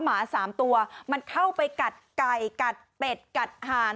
หมา๓ตัวมันเข้าไปกัดไก่กัดเป็ดกัดหาน